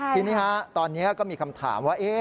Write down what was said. ทีนี้ตอนนี้ก็มีคำถามว่า